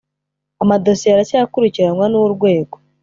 amadosiye aracyakurikiranwa n ‘urwego.